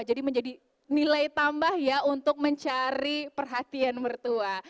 jadi menjadi nilai tambah ya untuk mencari perhatian mertua